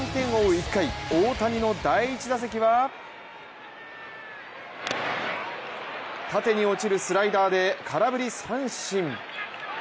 １回、大谷の第１打席は、縦に落ちるスライダーで空振り三振。